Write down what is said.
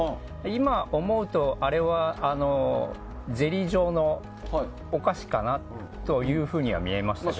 今、思うとあれはゼリー状のお菓子かなというふうには見えましたね。